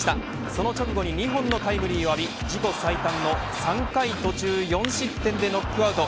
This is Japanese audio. その直後に２本のタイムリーを浴び自己最短の、３回途中４失点でノックアウト。